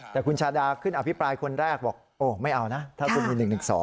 แต่คุณชาดาขึ้นอภิปรายคนแรกบอกโอ้ไม่เอานะถ้าคุณมี๑๑๒